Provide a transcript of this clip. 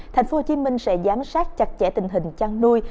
thành phố hồ chí minh sẽ giám sát chặt chẽ tình hình chăn nuôi